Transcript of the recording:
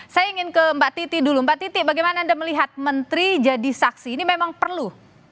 saya ingin ke mbak titi dulu mbak titi bagaimana anda melihat menteri jadi saksi ini memang perlu